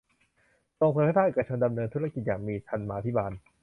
ส่งเสริมให้ภาคเอกชนดำเนินธุรกิจอย่างมีธรรมาภิบาล